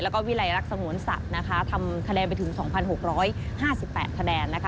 แล้วก็วิลัยรักสงวนสัตว์นะคะทำคะแนนไปถึง๒๖๕๘คะแนนนะคะ